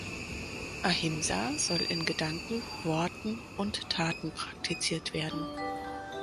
Ahimsa soll in Gedanken, Worten und Taten praktiziert werden.